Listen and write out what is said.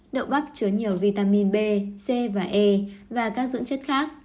đậu bắp chứa nhiều vitamin b c và e và các dưỡng chất khác